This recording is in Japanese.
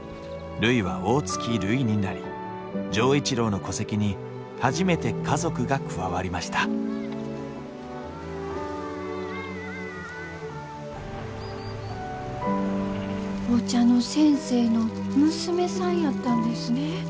るいは大月るいになり錠一郎の戸籍に初めて家族が加わりましたお茶の先生の娘さんやったんですね。